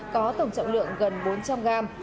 có tổng trọng lượng gần bốn trăm linh gram